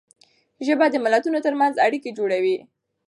ژبه د ملتونو تر منځ اړیکه جوړوي.